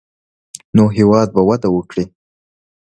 نو هېواد به وده وکړي.